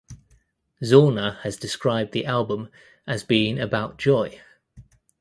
Zauner has described the album as being about joy.